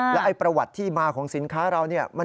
แล้วประวัติที่มาของสินค้าเรา